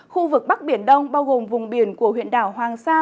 khu vực bắc biển đông bao gồm vùng biển của huyện đảo hoàng sa